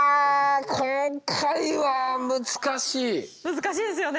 難しいですよね。